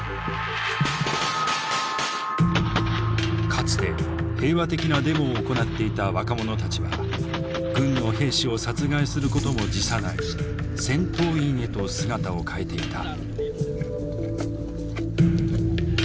かつて平和的なデモを行っていた若者たちは軍の兵士を殺害することも辞さない戦闘員へと姿を変えていた。